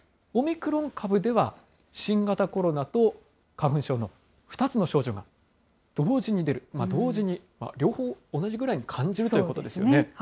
オミクロン株では、新型コロナと花粉症の２つの症状が同時に出る、同時に、両方同じぐらいに感じるということですよね。